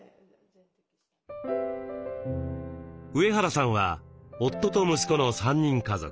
上原さんは夫と息子の３人家族。